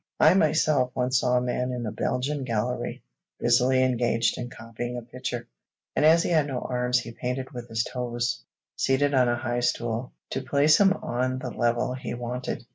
I myself once saw a young man in a Belgian gallery busily engaged in copying a picture, and as he had no arms he painted with his toes, seated on a high stool, to place him on the level he wanted.